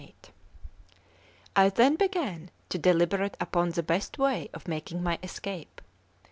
CVIII I THEN began to deliberate upon the best way of making my escape.